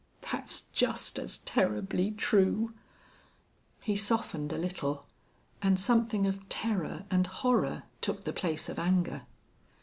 "That's just as terribly true." He softened a little, and something of terror and horror took the place of anger.